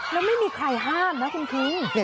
แล้วไม่มีใครห้ามนะคุณคิง